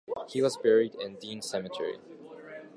He was buried in Dean Cemetery.